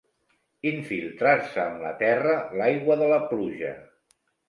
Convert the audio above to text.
Infiltrar-se en la terra l'aigua de la pluja.